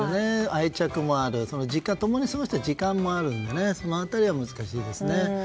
愛着もある共に過ごした時間もあるのでその辺りは難しいですね。